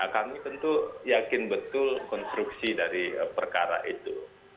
kami tentu yakin betul konstruksi dari perkara itu